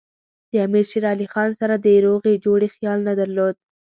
د امیر شېر علي خان سره د روغې جوړې خیال نه درلود.